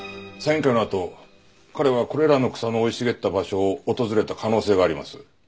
サイン会のあと彼はこれらの草の生い茂った場所を訪れた可能性があります。